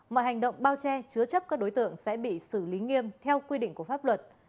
mọi hành động bao che chứa chấp các đối tượng sẽ bị xử lý nghiêm theo quy định của pháp luật